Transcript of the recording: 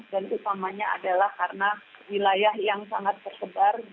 dan utamanya adalah karena wilayah yang sangat tersebar